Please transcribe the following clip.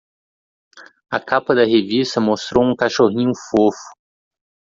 A capa da revista mostrou um cachorrinho fofo.